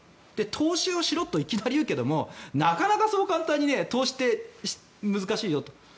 投資をしろといきなり言うけどなかなかそう簡単に投資って難しいよと。